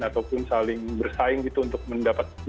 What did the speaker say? ataupun saling bersaing gitu untuk mendapatkan